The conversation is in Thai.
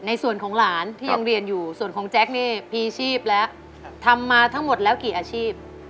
ในส่วนของหลานที่ยังเรียนอยู่ส่วนของแจ๊คนี่พีชีพแล้วทำมาทั้งหมดแล้วกี่อาชีพ